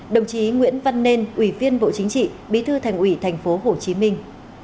đồng chí nguyễn văn nên ủy viên bộ chính trị bí thư thành ủy tp hồ chí minh